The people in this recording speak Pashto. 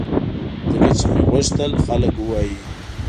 ځکه چې مې غوښتل خلک ووایي